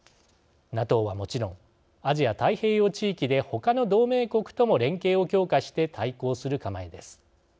ＮＡＴＯはもちろんアジア太平洋地域で他の同盟国とも連携を強化して対抗する構えです。